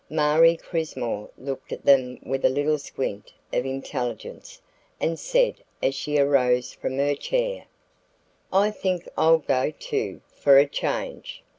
Marie Crismore looked at them with a little squint of intelligence and said as she arose from her chair: "I think I'll go, too, for a change."